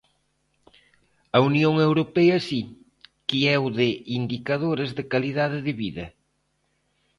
A Unión Europea si, que é o de indicadores de calidade de vida.